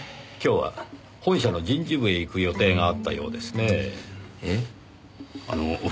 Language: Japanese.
今日は本社の人事部へ行く予定があったようですねぇ。